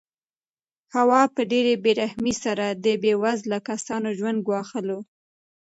هوا په ډېرې بې رحمۍ سره د بې وزله کسانو ژوند ګواښلو.